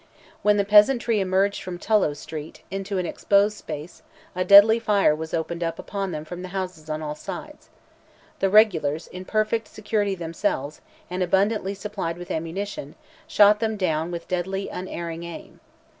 When the peasantry emerged from Tullow Street, into an exposed space, a deadly fire was opened upon them from the houses on all sides. The regulars, in perfect security themselves, and abundantly supplied with ammunition, shot them down with deadly unerring aim.